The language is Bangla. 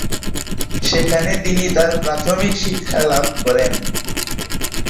সেখানে তিনি তাঁর প্রাথমিক শিক্ষা লাভ করেন।